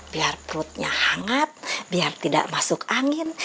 biar perutnya hangat biar tidak masuk angin